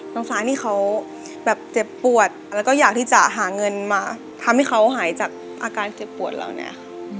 ฟ้านี่เขาแบบเจ็บปวดแล้วก็อยากที่จะหาเงินมาทำให้เขาหายจากอาการเจ็บปวดเหล่านี้ค่ะ